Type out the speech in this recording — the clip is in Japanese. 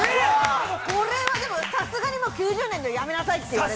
これは、さすがに９０年でやめなさいって言われて。